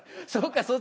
そうか。